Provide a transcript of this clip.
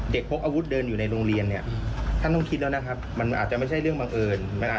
เด็กพกอาวุธเดินอยู่ในโรงเรียน